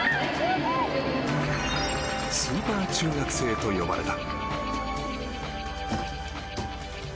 スーパー中学生と呼ばれた。